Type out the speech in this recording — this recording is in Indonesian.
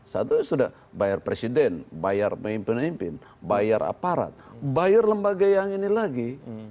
satu sudah bayar presiden bayar pemimpin pemimpin bayar aparat bayar lembaga yang ini lagi